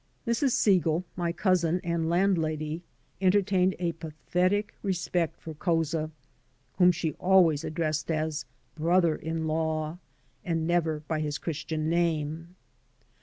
Mrs. Segal, my cousin and landlady, entertained a pathetic respect for Couza, whom she always addressed as ^' Brother in law" and never by his christian name.